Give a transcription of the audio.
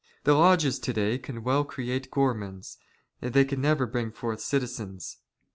The lodges, to day, can well create gourmands, they " will never bring forth citizens.